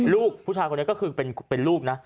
ลูกผู้ชายคนนี้ก็คือเป็นลูกนะ